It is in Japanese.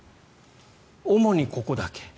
主にここだけ。